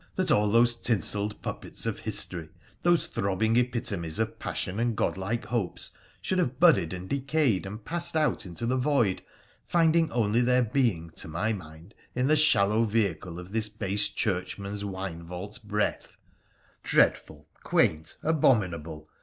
that all those tinselled puppets of history— those throbbing epitomes of passion and godlike hopes — should have budded, and decayed, and passed out into the void, finding only their being, to my mind, in the shallow vehicle of this base Churchman's wine vault breath. Dread ful, quaint, abominable!